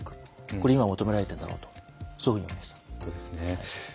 これ、今求められているだろうとそういうふうに思います。